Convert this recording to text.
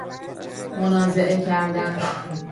منازعه کردن